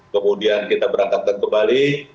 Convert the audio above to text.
kemudian kita berangkat kembali